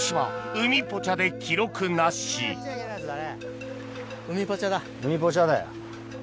海ぽちゃだよ。